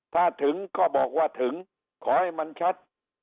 ถ้าถึงก็บอกว่าถึงขอให้มันชัด